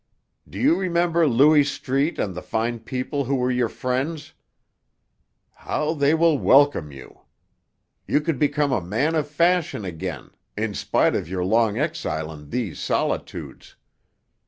Do you remember Louis Street and the fine people who were your friends? How they will welcome you! You could become a man of fashion again, in spite of your long exile in these solitudes.